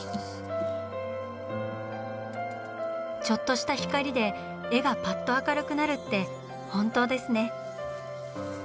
ちょっとした光で絵がパッと明るくなるって本当ですね。